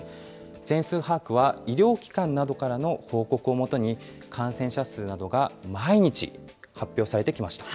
全数把握は医療機関などからの報告を基に、感染者数などが毎日発表されてきました。